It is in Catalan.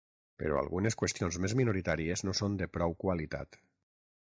Però algunes qüestions més minoritàries no són de prou qualitat.